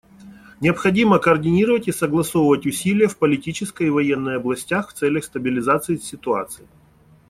Необходимо координировать и согласовывать усилия в политической и военной областях в целях стабилизации ситуации.